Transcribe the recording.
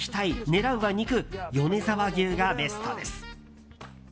狙うは肉、米沢牛がベストです。